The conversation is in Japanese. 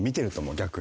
逆に？